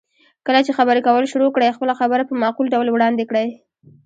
کله چې خبرې کول شروع کړئ، خپله خبره په معقول ډول وړاندې کړئ.